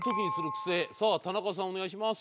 さあ田中さんお願いします。